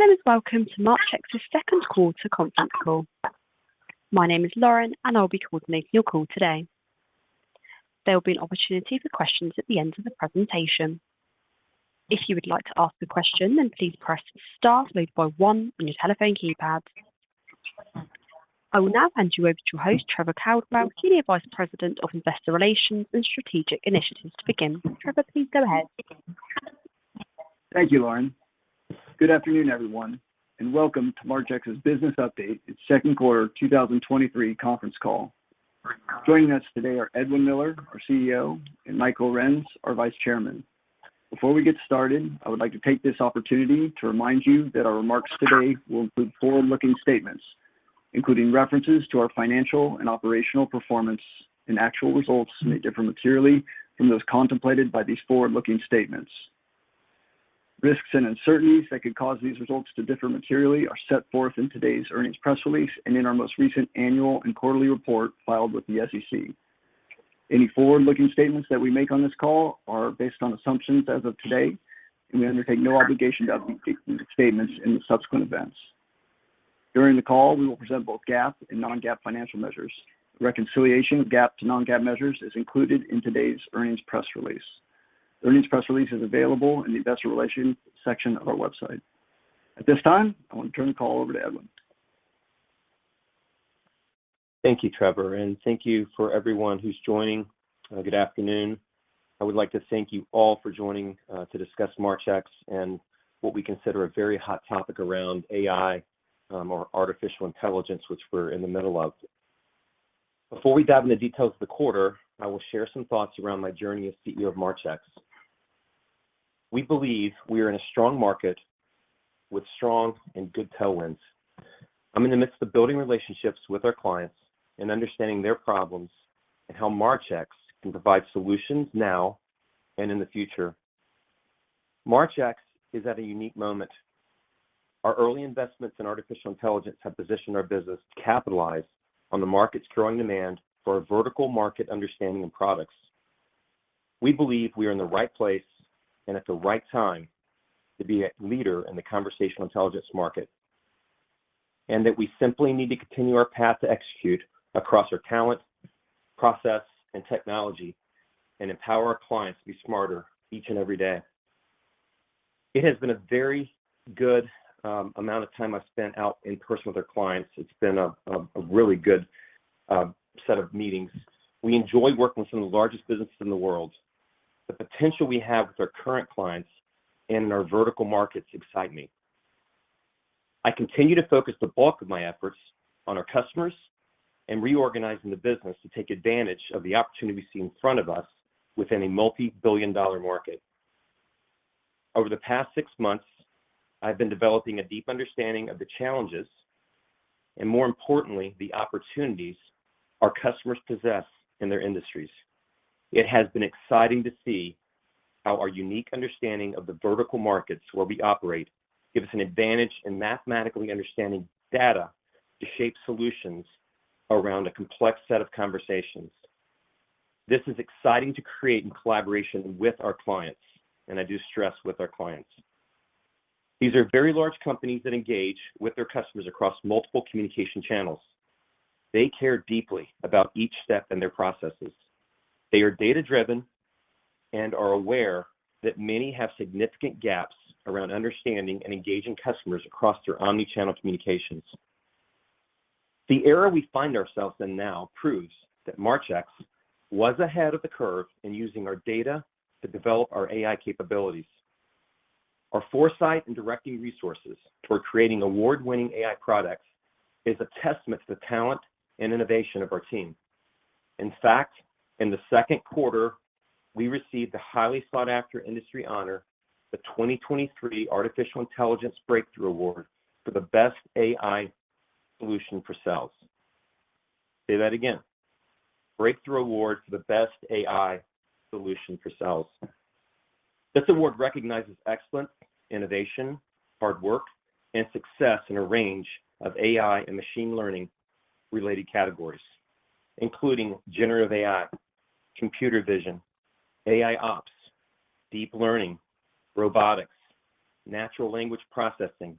Hello, welcome to Marchex's Q2 Conference Call. My name is Lauren, and I'll be coordinating your call today. There will be an opportunity for questions at the end of the presentation. If you would like to ask a question, please press star followed by one on your telephone keypad. I will now hand you over to your host, Trevor Caldwell, Senior Vice President of Investor Relations and Strategic Initiatives to begin. Trevor, please go ahead. Thank you, Lauren. Good afternoon, everyone, welcome to Marchex's Business Update, its Q2 2023 conference call. Joining us today are Edwin Miller, our CEO, and Michael Arends, our Vice Chairman. Before we get started, I would like to take this opportunity to remind you that our remarks today will include forward-looking statements, including references to our financial and operational performance, actual results may differ materially from those contemplated by these forward-looking statements. Risks and uncertainties that could cause these results to differ materially are set forth in today's earnings press release and in our most recent annual and quarterly report filed with the SEC. Any forward-looking statements that we make on this call are based on assumptions as of today, we undertake no obligation to update these statements in the subsequent events. During the call, we will present both GAAP and non-GAAP financial measures. Reconciliation of GAAP to non-GAAP measures is included in today's earnings press release. The earnings press release is available in the Investor Relations section of our website. At this time, I want to turn the call over to Edwin. Thank you, Trevor, and thank you for everyone who's joining. Good afternoon. I would like to thank you all for joining to discuss Marchex and what we consider a very hot topic around AI or artificial intelligence, which we're in the middle of. Before we dive into details of the quarter, I will share some thoughts around my journey as CEO of Marchex. We believe we are in a strong market with strong and good tailwinds. I'm in the midst of building relationships with our clients and understanding their problems, and how Marchex can provide solutions now and in the future. Marchex is at a unique moment. Our early investments in artificial intelligence have positioned our business to capitalize on the market's growing demand for a vertical market understanding and products. We believe we are in the right place and at the right time to be a leader in the conversational intelligence market, and that we simply need to continue our path to execute across our talent, process, and technology, and empower our clients to be smarter each and every day. It has been a very good amount of time I've spent out in person with our clients. It's been a really good set of meetings. We enjoy working with some of the largest businesses in the world. The potential we have with our current clients and in our vertical markets excite me. I continue to focus the bulk of my efforts on our customers and reorganizing the business to take advantage of the opportunity we see in front of us within a multi-billion dollar market. Over the past six months, I've been developing a deep understanding of the challenges, and more importantly, the opportunities our customers possess in their industries. It has been exciting to see how our unique understanding of the vertical markets where we operate give us an advantage in mathematically understanding data to shape solutions around a complex set of conversations. This is exciting to create in collaboration with our clients, and I do stress with our clients. These are very large companies that engage with their customers across multiple communication channels. They care deeply about each step in their processes. They are data-driven and are aware that many have significant gaps around understanding and engaging customers across their omni-channel communications. The era we find ourselves in now proves that Marchex was ahead of the curve in using our data to develop our AI capabilities. Our foresight in directing resources toward creating award-winning AI products is a testament to the talent and innovation of our team. In fact, in the Q2, we received the highly sought-after industry honor, the 2023 Artificial Intelligence Breakthrough Award for the best AI solution for sales. Say that again. Breakthrough Award for the best AI solution for sales. This award recognizes excellence, innovation, hard work, and success in a range of AI and machine learning-related categories, including generative AI, computer vision, AIOps, deep learning, robotics, natural language processing,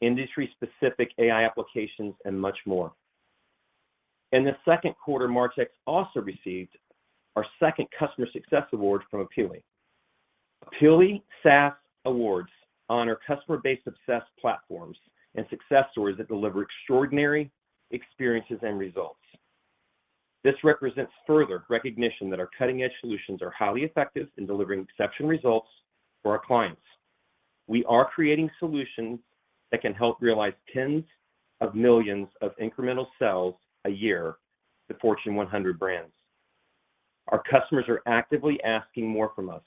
industry-specific AI applications, and much more. In the Q2, Marchex also received our second Customer Success Award from Appealie. Appealie SaaS Awards honor customer-based success platforms and success stories that deliver extraordinary experiences and results. This represents further recognition that our cutting-edge solutions are highly effective in delivering exceptional results for our clients. We are creating solutions that can help realize tens of millions of incremental sales a year to Fortune 100 brands. Our customers are actively asking more from us.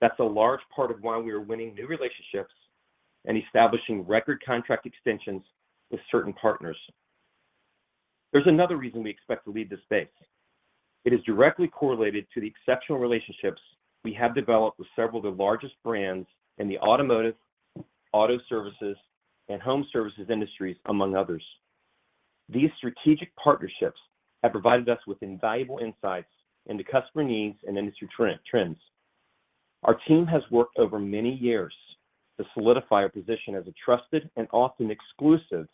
That's a large part of why we are winning new relationships and establishing record contract extensions with certain partners. There's another reason we expect to lead this space. It is directly correlated to the exceptional relationships we have developed with several of the largest brands in the automotive, auto services, and home services industries, among others. These strategic partnerships have provided us with invaluable insights into customer needs and industry trends. Our team has worked over many years to solidify our position as a trusted and often exclusive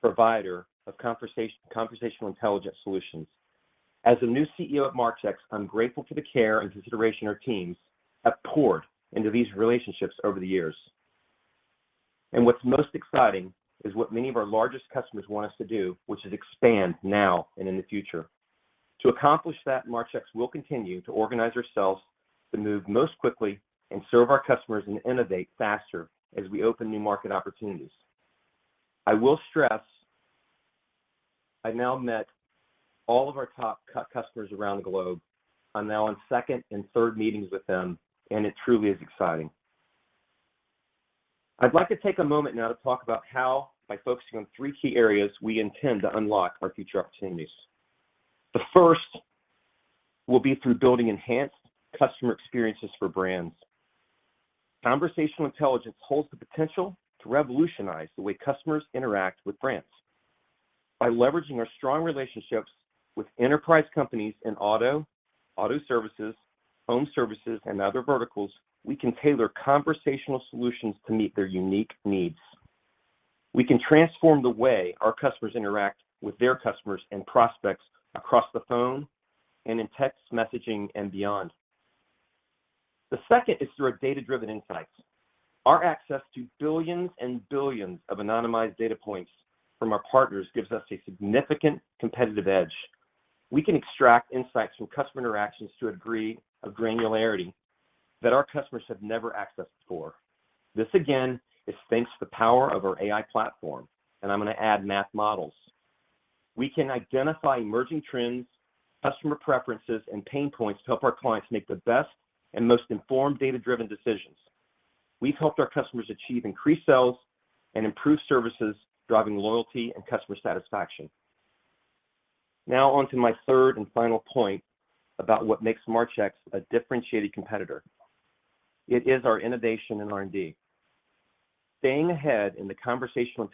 provider of conversational intelligence solutions. As the new CEO at Marchex, I'm grateful for the care and consideration our teams have poured into these relationships over the years. What's most exciting is what many of our largest customers want us to do, which is expand now and in the future. To accomplish that, Marchex will continue to organize ourselves to move most quickly and serve our customers and innovate faster as we open new market opportunities. I will stress, I've now met all of our top customers around the globe. I'm now on second and third meetings with them, and it truly is exciting. I'd like to take a moment now to talk about how, by focusing on three key areas, we intend to unlock our future opportunities. The first will be through building enhanced customer experiences for brands. Conversational intelligence holds the potential to revolutionize the way customers interact with brands. By leveraging our strong relationships with enterprise companies in auto, auto services, home services, and other verticals, we can tailor conversational solutions to meet their unique needs. We can transform the way our customers interact with their customers and prospects across the phone and in text messaging and beyond. The second is through our data-driven insights. Our access to billions and billions of anonymized data points from our partners gives us a significant competitive edge. We can extract insights from customer interactions to a degree of granularity that our customers have never accessed before. This, again, is thanks to the power of our AI platform, and I'm gonna add math models. We can identify emerging trends, customer preferences, and pain points to help our clients make the best and most informed data-driven decisions. We've helped our customers achieve increased sales and improved services, driving loyalty and customer satisfaction. Now, on to my third and final point about what makes Marchex a differentiated competitor. It is our innovation and R&D. Staying ahead in the conversational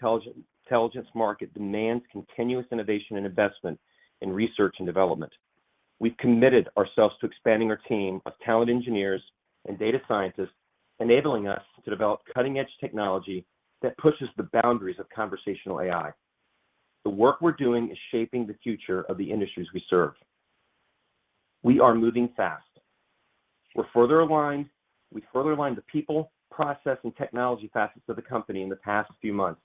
intelligence market demands continuous innovation and investment in research and development. We've committed ourselves to expanding our team of talent engineers and data scientists, enabling us to develop cutting-edge technology that pushes the boundaries of conversational AI. The work we're doing is shaping the future of the industries we serve. We are moving fast. We've further aligned the people, process, and technology facets of the company in the past few months,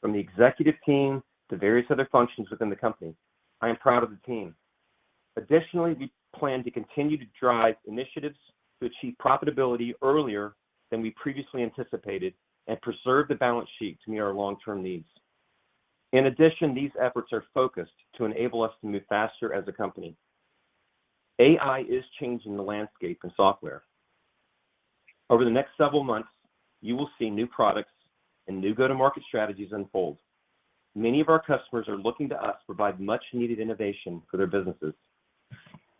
from the executive team to various other functions within the company. I am proud of the team. Additionally, we plan to continue to drive initiatives to achieve profitability earlier than we previously anticipated and preserve the balance sheet to meet our long-term needs. In addition, these efforts are focused to enable us to move faster as a company. AI is changing the landscape in software. Over the next several months, you will see new products and new go-to-market strategies unfold. Many of our customers are looking to us to provide much-needed innovation for their businesses.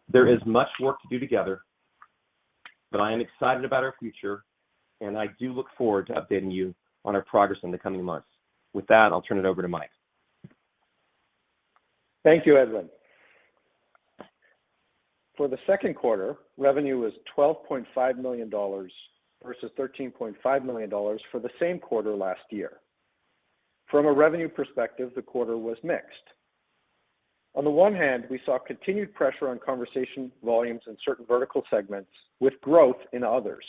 There is much work to do together, but I am excited about our future, and I do look forward to updating you on our progress in the coming months. With that, I'll turn it over to Mike. Thank you, Edwin. For the Q2, revenue was $12.5 million, versus $13.5 million for the same quarter last year. From a revenue perspective, the quarter was mixed. On the one hand, we saw continued pressure on conversation volumes in certain vertical segments, with growth in others.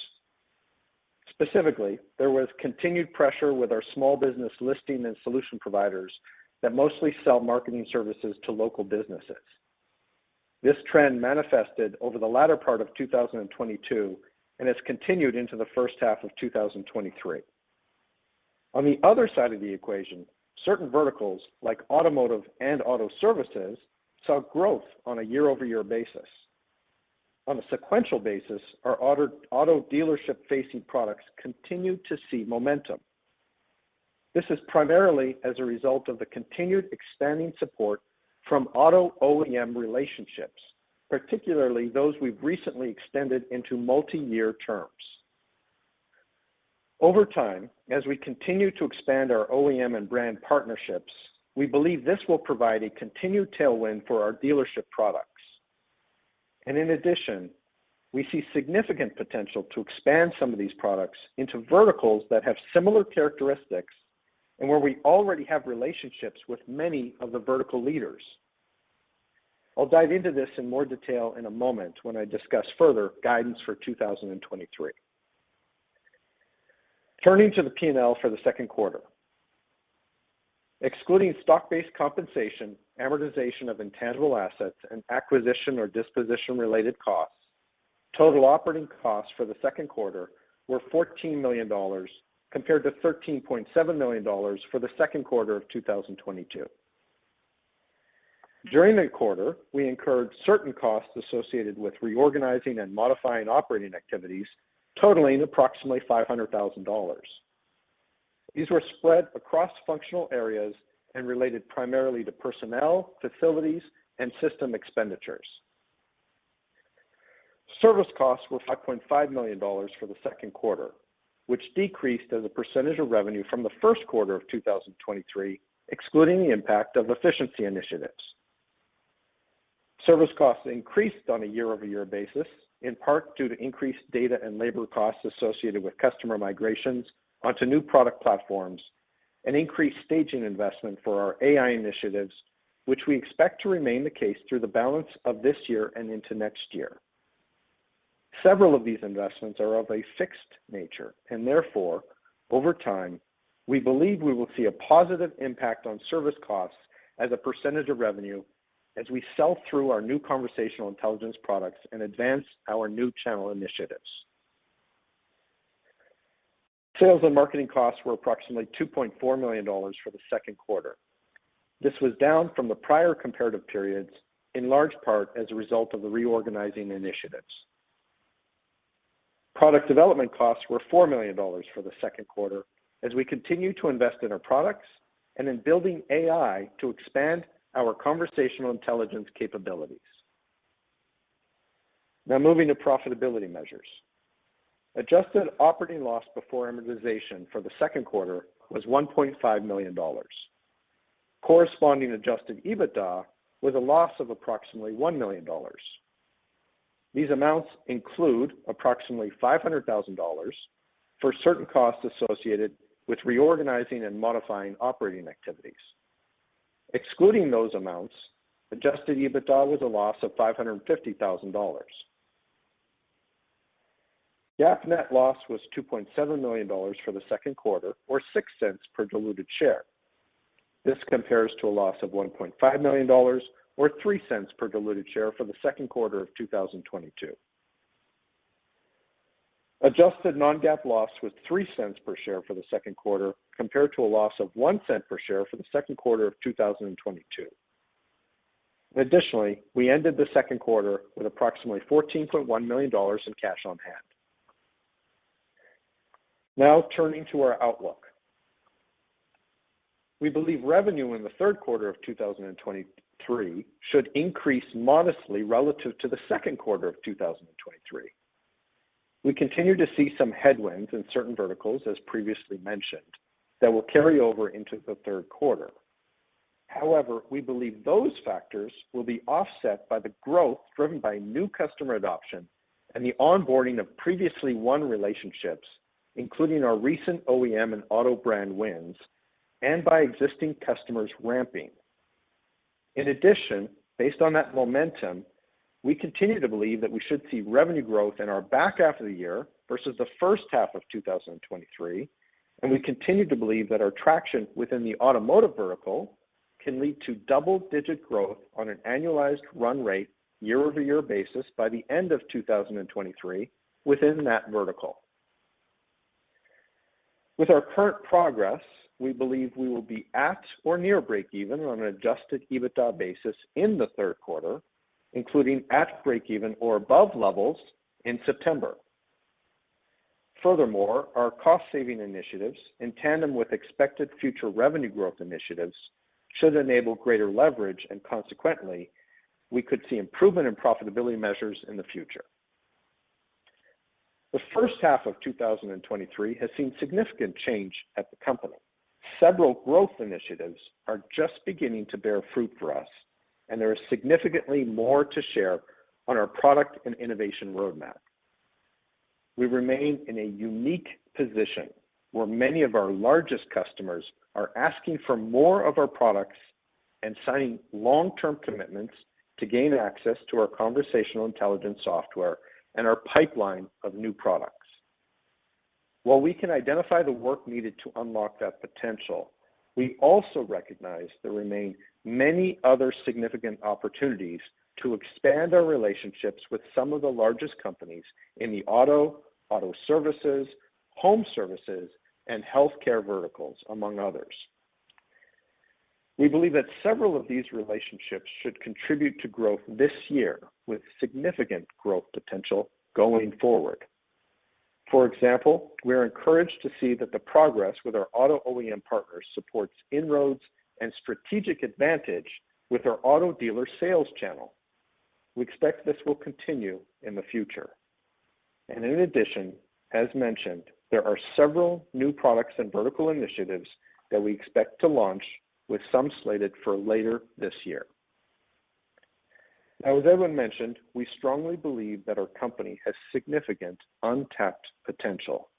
Specifically, there was continued pressure with our small business listing and solution providers that mostly sell marketing services to local businesses. This trend manifested over the latter part of 2022 and has continued into the first half of 2023. On the other side of the equation, certain verticals, like automotive and auto services, saw growth on a year-over-year basis. On a sequential basis, our auto, auto dealership-facing products continued to see momentum. This is primarily as a result of the continued expanding support from auto OEM relationships, particularly those we've recently extended into multiyear terms. Over time, as we continue to expand our OEM and brand partnerships, we believe this will provide a continued tailwind for our dealership products. In addition, we see significant potential to expand some of these products into verticals that have similar characteristics and where we already have relationships with many of the vertical leaders. I'll dive into this in more detail in a moment when I discuss further guidance for 2023. Turning to the P&L for the Q2. Excluding stock-based compensation, amortization of intangible assets, and acquisition or disposition-related costs, total operating costs for the Q2 were $14 million, compared to $13.7 million for the Q2 of 2022. During the quarter, we incurred certain costs associated with reorganizing and modifying operating activities, totaling approximately $500,000. These were spread across functional areas and related primarily to personnel, facilities, and system expenditures. Service costs were $5.5 million for the Q2, which decreased as a % of revenue from the first quarter of 2023, excluding the impact of efficiency initiatives. Service costs increased on a year-over-year basis, in part due to increased data and labor costs associated with customer migrations onto new product platforms and increased staging investment for our AI initiatives, which we expect to remain the case through the balance of this year and into next year. Several of these investments are of a fixed nature, and therefore, over time, we believe we will see a positive impact on service costs as a % of revenue as we sell through our new conversational intelligence products and advance our new channel initiatives. Sales and marketing costs were approximately $2.4 million for the Q2. This was down from the prior comparative periods, in large part as a result of the reorganizing initiatives. Product development costs were $4 million for the Q2 as we continue to invest in our products and in building AI to expand our conversational intelligence capabilities. Now moving to profitability measures. Adjusted operating loss before amortization for the Q2 was $1.5 million. Corresponding adjusted EBITDA was a loss of approximately $1 million. These amounts include approximately $500,000 for certain costs associated with reorganizing and modifying operating activities. Excluding those amounts, Adjusted EBITDA was a loss of $550,000. GAAP net loss was $2.7 million for the Q2, or $0.06 per diluted share. This compares to a loss of $1.5 million, or $0.03 per diluted share for the Q2 of 2022. Adjusted non-GAAP loss was $0.03 per share for the Q2, compared to a loss of $0.01 per share for the Q2 of 2022. Additionally, we ended the Q2 with approximately $14.1 million in cash on hand. Turning to our outlook. We believe revenue in the Q3 of 2023 should increase modestly relative to the Q2 of 2023. We continue to see some headwinds in certain verticals, as previously mentioned, that will carry over into the Q3. However, we believe those factors will be offset by the growth driven by new customer adoption and the onboarding of previously won relationships, including our recent OEM and auto brand wins, and by existing customers ramping. In addition, based on that momentum, we continue to believe that we should see revenue growth in our back half of the year versus the first half of 2023, and we continue to believe that our traction within the automotive vertical can lead to double-digit growth on an annualized run rate, year-over-year basis by the end of 2023 within that vertical. With our current progress, we believe we will be at or near breakeven on an Adjusted EBITDA basis in the Q3, including at breakeven or above levels in September. Furthermore, our cost-saving initiatives, in tandem with expected future revenue growth initiatives, should enable greater leverage, and consequently, we could see improvement in profitability measures in the future. The first half of 2023 has seen significant change at the company. Several growth initiatives are just beginning to bear fruit for us, and there is significantly more to share on our product and innovation roadmap. We remain in a unique position where many of our largest customers are asking for more of our products and signing long-term commitments to gain access to our conversational intelligence software and our pipeline of new products. While we can identify the work needed to unlock that potential, we also recognize there remain many other significant opportunities to expand our relationships with some of the largest companies in the auto, auto services, home services, and healthcare verticals, among others. We believe that several of these relationships should contribute to growth this year, with significant growth potential going forward. For example, we are encouraged to see that the progress with our auto OEM partners supports inroads and strategic advantage with our auto dealer sales channel. We expect this will continue in the future. In addition, as mentioned, there are several new products and vertical initiatives that we expect to launch, with some slated for later this year. Now, as Edwin mentioned, we strongly believe that our company has significant untapped potential.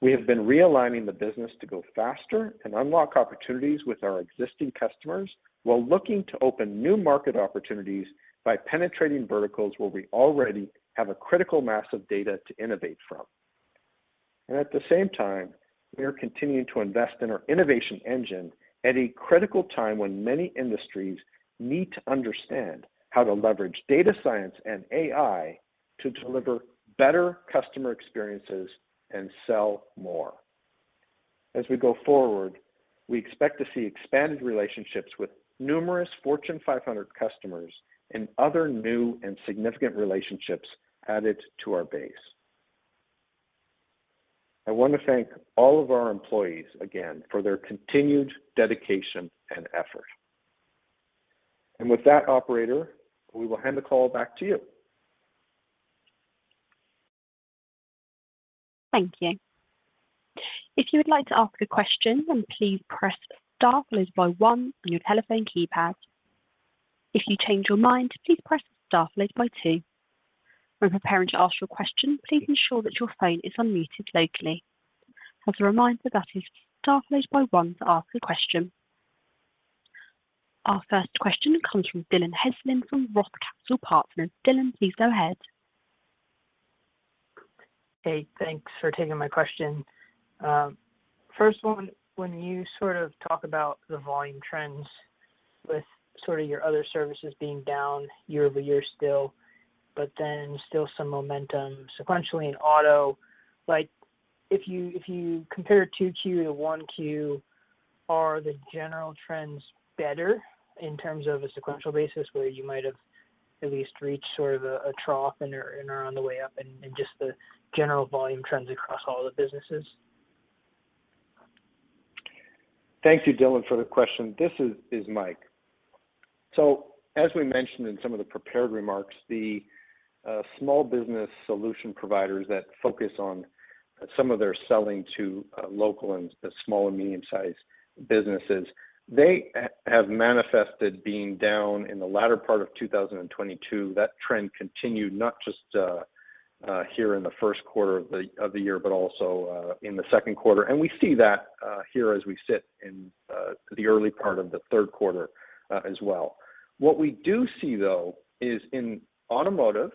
We have been realigning the business to go faster and unlock opportunities with our existing customers while looking to open new market opportunities by penetrating verticals where we already have a critical mass of data to innovate from. At the same time, we are continuing to invest in our innovation engine at a critical time when many industries need to understand how to leverage data science and AI to deliver better customer experiences and sell more. We go forward, we expect to see expanded relationships with numerous Fortune 500 customers and other new and significant relationships added to our base. I want to thank all of our employees again for their continued dedication and effort. With that, operator, we will hand the call back to you. Thank you. If you would like to ask a question, please press star followed by 1 on your telephone keypad. If you change your mind, please press star followed by two. When preparing to ask your question, please ensure that your phone is unmuted locally. As a reminder, that is star followed by 1 to ask a question. Our first question comes from Dillon Heslin from Roth Capital Partners. Dillon, please go ahead. Hey, thanks for taking my question. First one, when you talk about the volume trends with your other services being down year-over-year still, but then still some momentum sequentially in auto, if you, if you compare Q to Q1, are the general trends better in terms of a sequential basis, where you might have at least reached a trough and are on the way up, just the general volume trends across all the businesses? Thank you, Dillon, for the question. This is Mike. As we mentioned in some of the prepared remarks, the small business solution providers that focus on some of their selling to local and the small and medium-sized businesses, they have manifested being down in the latter part of 2022. That trend continued not just here in the 1st quarter of the year, but also in the Q2. We see that here as we sit in the early part of the Q3 as well. What we do see, though, is in automotive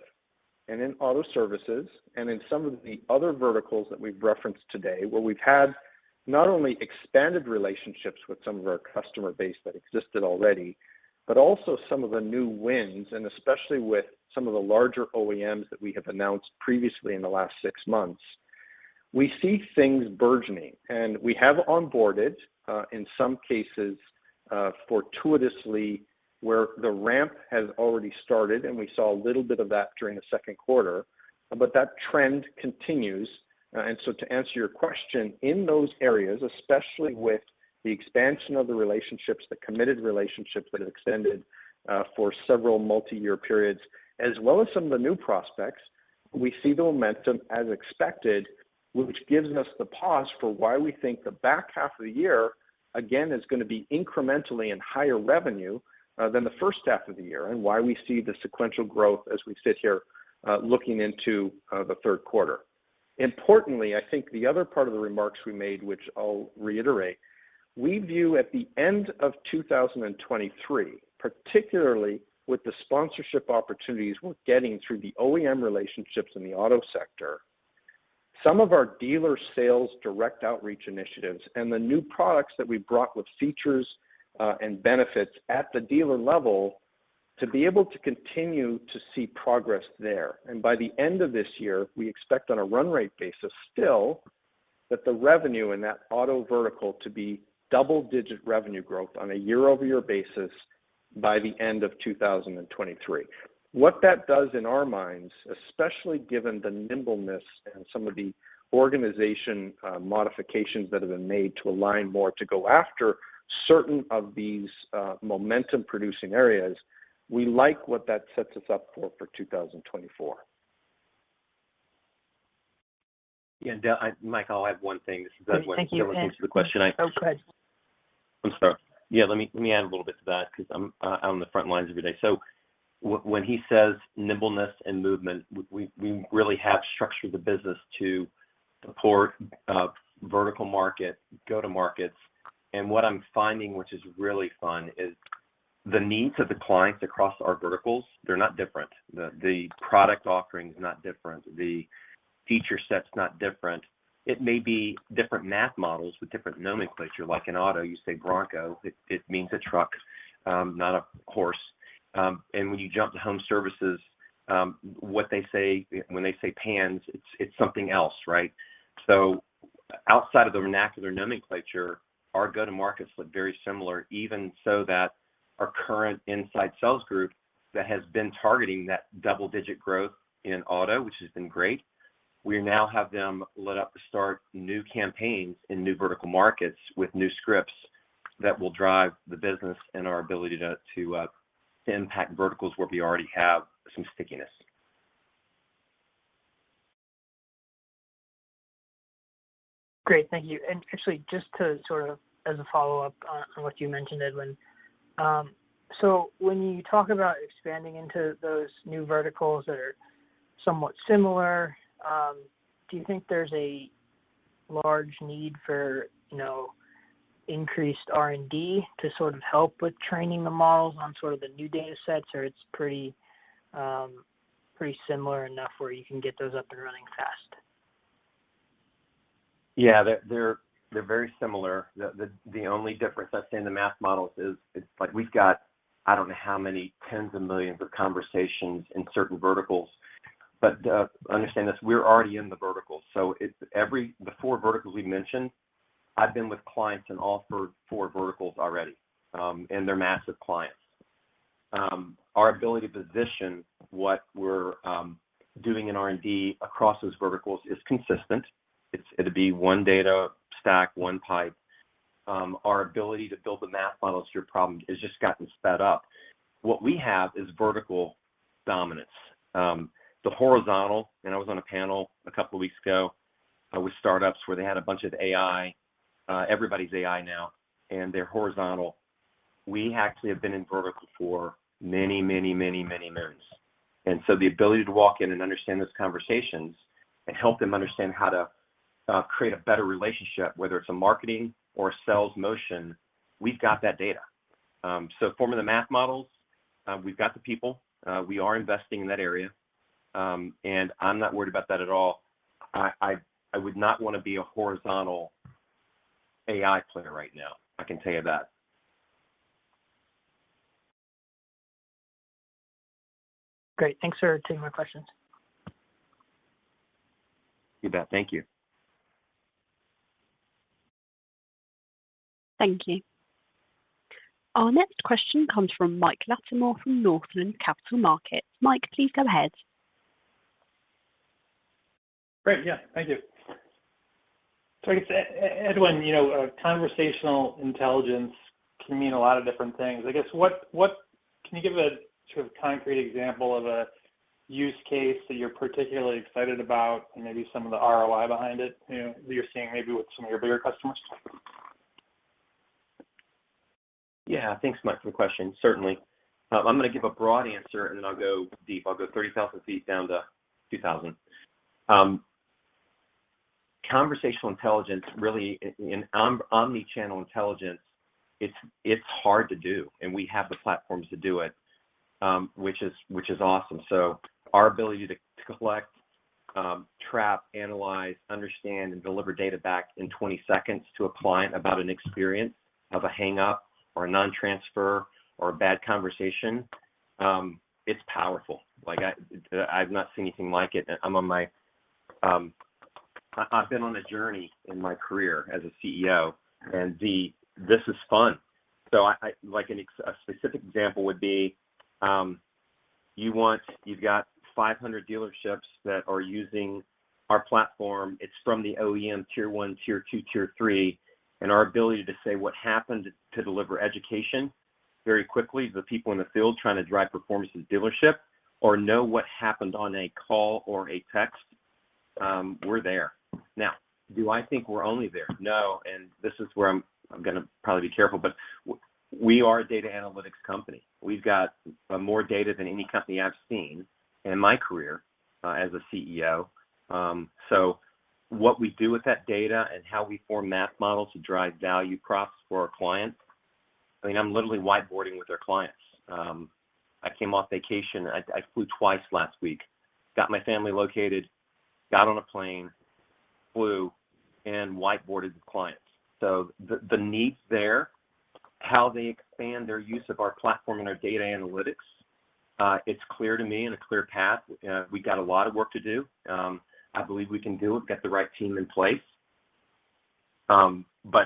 and in auto services, and in some of the other verticals that we've referenced today, where we've had not only expanded relationships with some of our customer base that existed already, but also some of the new wins, and especially with some of the larger OEMs that we have announced previously in the last six months, we see things burgeoning. We have onboarded, in some cases, fortuitously, where the ramp has already started, and we saw a little bit of that during the Q2, but that trend continues. To answer your question, in those areas, especially with the expansion of the relationships, the committed relationships that have extended for several multiyear periods, as well as some of the new prospects, we see the momentum as expected, which gives us the pause for why we think the back half of the year, again, is gonna be incrementally in higher revenue than the first half of the year, and why we see the sequential growth as we sit here looking into the Q3. Importantly, I think the other part of the remarks we made, which I'll reiterate, we view at the end of 2023, particularly with the sponsorship opportunities we're getting through the OEM relationships in the auto sector, some of our dealer sales direct outreach initiatives and the new products that we've brought with features and benefits at the dealer level, to be able to continue to see progress there. By the end of this year, we expect on a run rate basis, still, that the revenue in that auto vertical to be double-digit revenue growth on a year-over-year basis by the end of 2023. What that does in our minds, especially given the nimbleness and some of the organization, modifications that have been made to align more to go after certain of these, momentum-producing areas, we like what that sets us up for for 2024. Yeah, Mike, I'll add one thing. This is Edwin. Thank you, Edwin. in relation to the question. Oh, go ahead. I'm sorry. Yeah, let me, let me add a little bit to that because I'm on the front lines every day. When he says nimbleness and movement, we, we really have structured the business to support vertical market, go-to markets. What I'm finding, which is really fun, is the needs of the clients across our verticals, they're not different. The, the product offering is not different. The feature set's not different. It may be different math models with different nomenclature. Like in auto, you say Bronco, it, it means a truck, not a horse. When you jump to home services, when they say pans, it's, it's something else, right? Outside of the vernacular nomenclature, our go-to markets look very similar, even so that our current inside sales group that has been targeting that double-digit growth in auto, which has been great, we now have them lit up to start new campaigns in new vertical markets with new scripts that will drive the business and our ability to impact verticals where we already have some stickiness. Great. Thank you. Actually, just to sort of as a follow-up on, on what you mentioned, Edwin, when you talk about expanding into those new verticals that are somewhat similar, do you think there's a large need for, you know, increased R&D to sort of help with training the models on sort of the new data sets, or it's pretty, pretty similar enough where you can get those up and running fast? Yeah, they're, they're, they're very similar. The, the, the only difference I'd say in the math models is, it's like we've got I don't know how many tens of millions of conversations in certain verticals, but understand this, we're already in the verticals, so it's the four verticals we mentioned, I've been with clients in all four, four verticals already, and they're massive clients. Our ability to position what we're doing in R&D across those verticals is consistent. It's- it'll be one data stack, one pipe. Our ability to build the math models to your problem has just gotten sped up. What we have is vertical dominance. The horizontal, I was on a panel a couple of weeks ago, with startups, where they had a bunch of AI. Everybody's AI now, and they're horizontal. We actually have been in vertical for many, many, many, many years. The ability to walk in and understand those conversations and help them understand how to create a better relationship, whether it's a marketing or a sales motion, we've got that data. Forming the math models, we've got the people. We are investing in that area, and I'm not worried about that at all. I would not wanna be a horizontal AI player right now, I can tell you that. Great. Thanks for taking my questions. You bet. Thank you. Thank you. Our next question comes from Mike Latimore, from Northland Capital Markets. Mike, please go ahead. Great, yeah. Thank you. I guess, Edwin, you know, conversational intelligence can mean a lot of different things. Can you give a sort of concrete example of a use case that you're particularly excited about, and maybe some of the ROI behind it, you know, that you're seeing maybe with some of your bigger customers? Thanks, Mike, for the question. Certainly. I'm gonna give a broad answer, and then I'll go deep. I'll go 30,000 feet down to 2,000. conversational intelligence, really, a- and, omni-channel intelligence, it's, it's hard to do, and we have the platforms to do it, which is, which is awesome. Our ability to, to collect, trap, analyze, understand, and deliver data back in 20 seconds to a client about an experience of a hang-up or a non-transfer or a bad conversation, it's powerful. Like, I, I've not seen anything like it, and I'm on my... I, I've been on a journey in my career as a CEO, and the-- this is fun. I, I, like, an ex-- a specific example would be, you want-- you've got 500 dealerships that are using our platform. It's from the OEM, tier one, tier two, tier three, and our ability to say what happened, to deliver education very quickly to the people in the field trying to drive performance in the dealership, or know what happened on a call or a text, we're there. Now, do I think we're only there? No, and this is where I'm, I'm gonna probably be careful, but we are a data analytics company. We've got more data than any company I've seen in my career as a CEO. What we do with that data and how we form math models to drive value props for our clients, I mean, I'm literally whiteboarding with our clients. I came off vacation. I flew twice last week. Got my family located, got on a plane, flew, and whiteboarded with clients. The need's there. How they expand their use of our platform and our data analytics, it's clear to me and a clear path. We've got a lot of work to do. I believe we can do it, got the right team in place.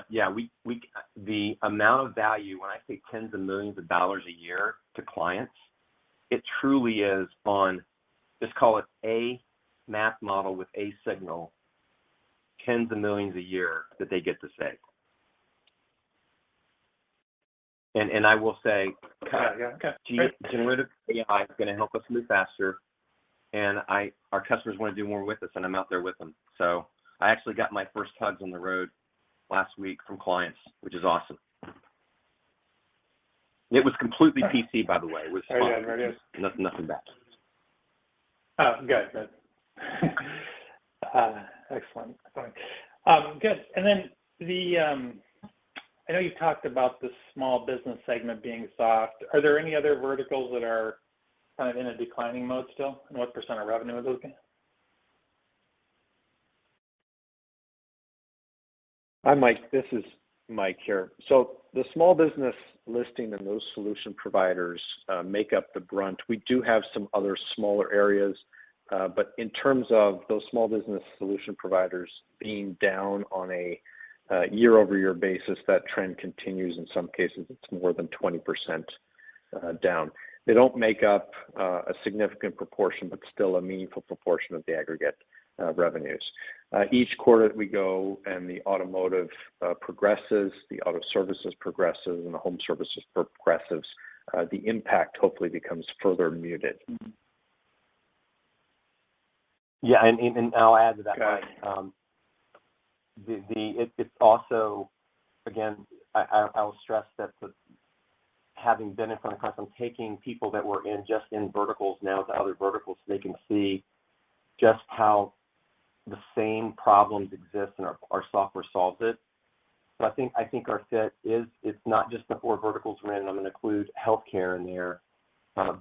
Yeah, we, the amount of value, when I say tens of millions of dollars a year to clients, it truly is on, let's call it a math model with a signal, tens of millions a year that they get to save. I will say. Yeah. Okay. Generative AI is gonna help us move faster, and I, our customers wanna do more with us, and I'm out there with them. I actually got my first hugs on the road last week from clients, which is awesome. It was completely PC, by the way. Oh, yeah. There it is. Nothing, nothing bad. Oh, good. Good. Excellent. Sorry. Good. The... I know you talked about the small business segment being soft. Are there any other verticals that are kind of in a declining mode still, and what % of revenue are those again? Hi, Mike. This is Mike here. The small business listing and those solution providers make up the brunt. We do have some other smaller areas, but in terms of those small business solution providers being down on a year-over-year basis, that trend continues. In some cases, it's more than 20% down. They don't make up a significant proportion, but still a meaningful proportion of the aggregate revenues. Each quarter that we go, and the automotive progresses, the auto services progresses, and the home services progresses, the impact hopefully becomes further muted. Yeah, I'll add to that. Go ahead. it's, it's also, again, I'll stress that the having been in front of the customer, taking people that were in just in verticals now to other verticals, they can see just how the same problems exist, and our, our software solves it. I think, I think our fit is, it's not just the four verticals we're in, I'm gonna include healthcare in there.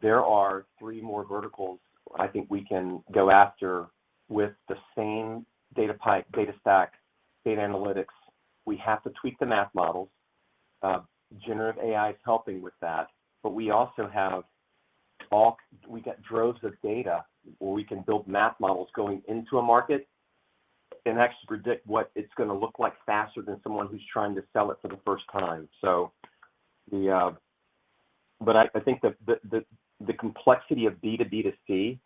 There are three more verticals I think we can go after with the same data pipe, data stack, data analytics. We have to tweak the math models. Generative AI is helping with that, but we also have We got droves of data where we can build math models going into a and actually predict what it's gonna look like faster than someone who's trying to sell it for the first time. I think the, the, the, the complexity of B2B2C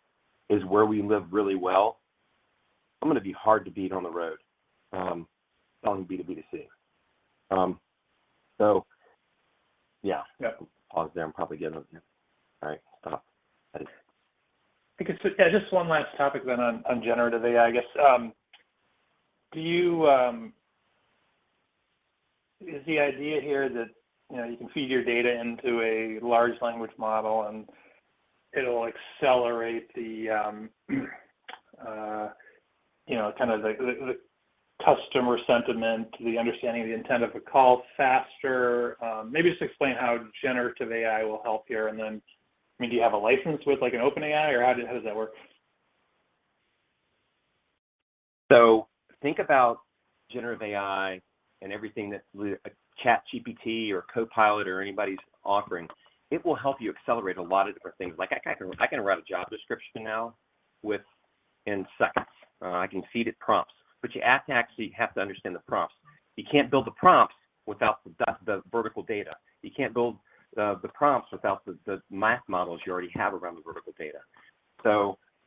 is where we live really well. I'm gonna be hard to beat on the road, on B2B2C. Yeah. Yeah. Pause there. I'm probably getting on here. All right. Yeah, just one last topic then on, on generative AI, I guess. Is the idea here that, you know, you can feed your data into a Large Language Model, and it'll accelerate the, you know, kind of the, the, the customer sentiment, the understanding of the intent of a call faster? Maybe just explain how generative AI will help here, and then, I mean, do you have a license with, like, an OpenAI, or how does that work? Think about generative AI and everything that's ChatGPT or Copilot or anybody's offering. It will help you accelerate a lot of different things. Like I can, I can write a job description now in seconds. I can feed it prompts, but you have to actually have to understand the prompts. You can't build the prompts without the vertical data. You can't build the prompts without the, the math models you already have around the vertical data.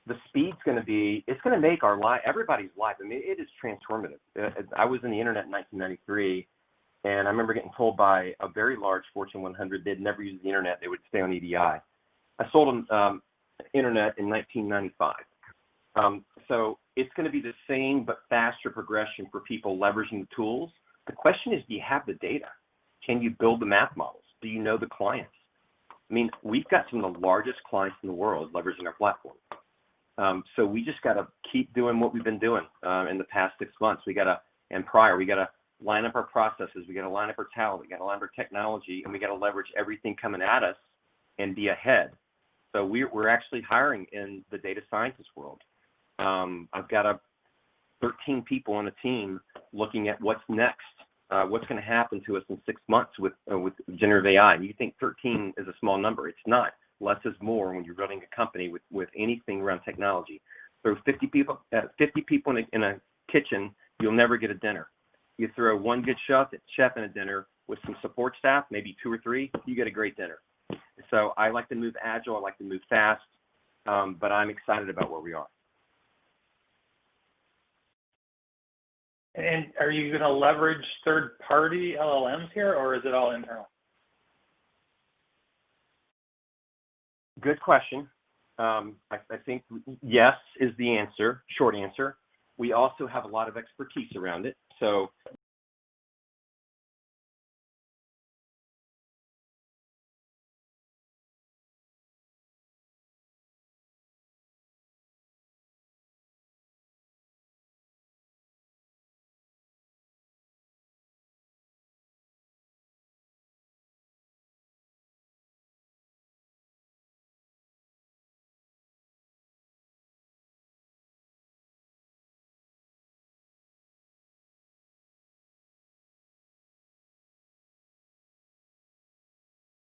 The speed's gonna be. It's gonna make our life, everybody's life, I mean, it is transformative. I was in the internet in 1993, and I remember getting told by a very large Fortune 100, they'd never use the internet. They would stay on EDI. I sold them internet in 1995. It's gonna be the same but faster progression for people leveraging the tools. The question is: do you have the data? Can you build the math models? Do you know the clients? I mean, we've got some of the largest clients in the world leveraging our platform. We just gotta keep doing what we've been doing in the past six months. Prior, we gotta line up our processes, we gotta line up our talent, we gotta line up our technology, and we gotta leverage everything coming at us and be ahead. We're actually hiring in the data scientist world. I've got 13 people on the team looking at what's next, what's gonna happen to us in six months with generative AI. You think 13 is a small number, it's not. Less is more when you're running a company with, with anything around technology. Throw 50 people, 50 people in a, in a kitchen, you'll never get a dinner. You throw one good chef, a chef in a dinner with some support staff, maybe two or three, you get a great dinner. I like to move agile, I like to move fast, but I'm excited about where we are. Are you gonna leverage third-party LLMs here, or is it all internal? Good question. I, I think yes is the answer, short answer. We also have a lot of expertise around it.